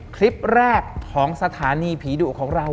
คลิปแรกของสถานีผีดุของเรา